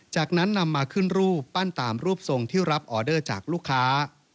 จากนั้นนำมาขึ้นรูปปั้นตามรูปทรงที่รับออเดอร์จากลูกค้า